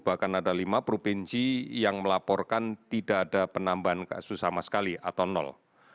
bahkan ada lima provinsi yang melaporkan tidak ada penambahan kasus sama sekali atau nol